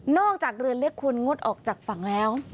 จากเรือเล็กควรงดออกจากฝั่งแล้ว